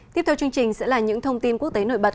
tiếp theo chương trình sẽ là những thông tin quốc tế nổi bật